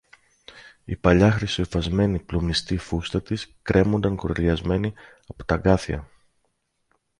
Η παλιά χρυσοϋφασμένη πλουμιστή φούστα της κρέμουνταν κουρελιασμένη από τ' αγκάθια